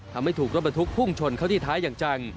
ทำให้ถูกรถบรรทุกพุ่งชนเข้าที่ท้ายอย่างจัง